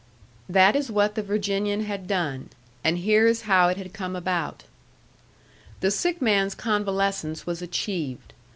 That is what the Virginian had done, and here is how it had come about. The sick man's convalescence was achieved.